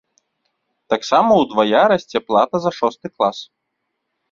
Таксама ўдвая расце плата за шосты клас.